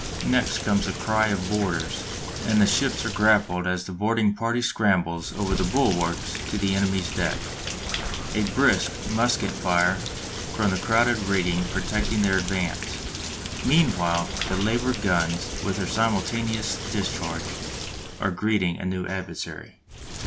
Next comes a cry of "Boarders!" and the ships are grappled as the boarding party scrambles over the bulwarks to the enemy's deck, a brisk musket fire from the crowded rigging protecting their advance; meanwhile the larboard guns, with their simultaneous discharge, are greeting a new adversary.